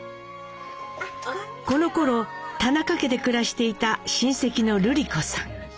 このころ田中家で暮らしていた親戚の瑠璃子さん。